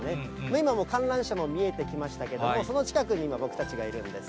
今もう、観覧車も見えてきましたけれども、その近くに僕たちがいるんです。